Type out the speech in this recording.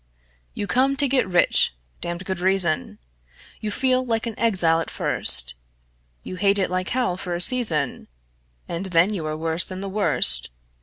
You come to get rich (damned good reason); You feel like an exile at first; You hate it like hell for a season, And then you are worse than the worst.